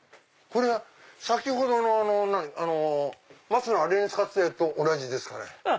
これは先ほどの松に使ってたやつと同じですかね？